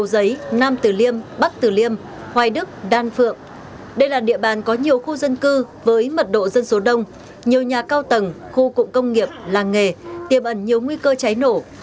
giấy nam tử liêm bắc tử liêm hoài đức đan phượng đây là địa bàn có nhiều khu dân cư với mật độ dân số đông nhiều nhà cao tầng khu cụm công nghiệp làng nghề tiềm ẩn nhiều nguy cơ cháy nổ